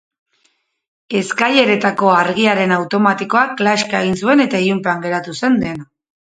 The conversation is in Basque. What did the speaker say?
Eskaileretako argiaren automatikoak klaska egin zuen eta ilunpean geratu zen dena.